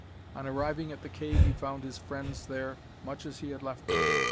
On arriving at the cave he found his friends there much as he had left them.